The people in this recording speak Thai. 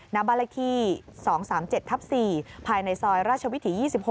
นับบาระที๒๓๗๔ภายในซอยราชวิถี๒๖